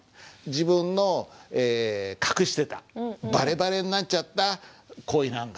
自分の隠してたバレバレになっちゃった恋なんだ。